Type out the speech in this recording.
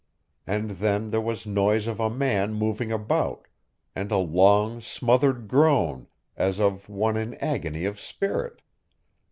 And then there was noise of a man moving about, and a long smothered groan, as of one in agony of spirit.